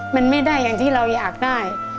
มันไม่ได้อย่างที่เราอยากได้